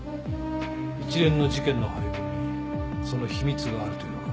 一連の事件の背後にその秘密があるというのか？